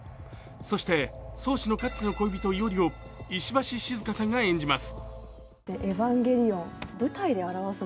そして、ソウシのかつての恋人イオリを石橋静河さんが演じます。